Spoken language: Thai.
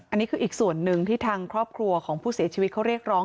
อันนี้คืออีกส่วนหนึ่งที่ทางครอบครัวของผู้เสียชีวิตเขาเรียกร้อง